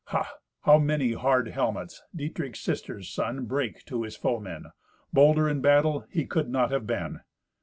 Ha! how many hard helmets Dietrich's sister's son brake to his foemen. Bolder in battle he could not have been.